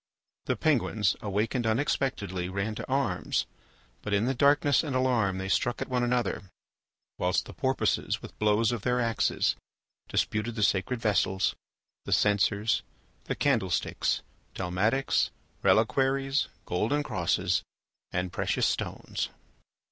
The Penguins, awakened unexpectedly, ran to arms, but in the darkness and alarm they struck at one another, whilst the Porpoises with blows of their axes disputed the sacred vessels, the censers, the candlesticks, dalmatics, reliquaries, golden crosses, and precious stones.